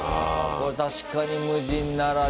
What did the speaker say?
これ確かに無人ならではだ。